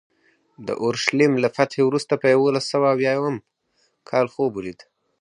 د اورشلیم له فتحې وروسته په یوولس سوه اویا اووم کال خوب ولید.